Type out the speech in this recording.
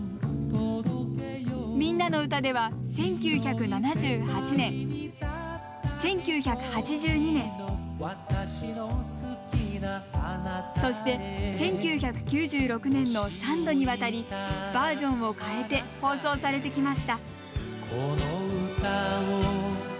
「みんなのうた」では１９７８年１９８２年そして１９９６年の３度にわたりバージョンを変えて放送されてきました。